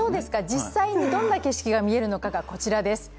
実際にどんな景色が見えるのかがこちらです。